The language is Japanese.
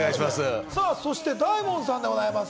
そして大門さんでございます。